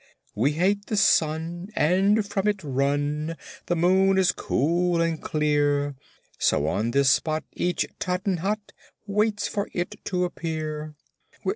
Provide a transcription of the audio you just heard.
"We hate the sun and from it run, The moon is cool and clear, So on this spot each Tottenhot Waits for it to appear.